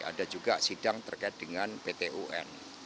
ada juga sidang terkait dengan pt un